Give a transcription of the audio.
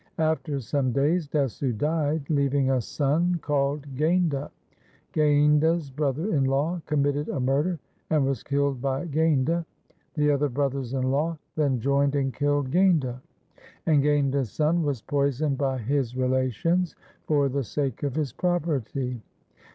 After some days Desu died, leaving a son called Gainda. Gainda's brother in law committed a murder, and was killed by Gainda. The other brothers in law then joined and killed Gainda. And Gainda's son was poisoned by his relations for the sake of his property.